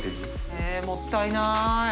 へぇもったいない。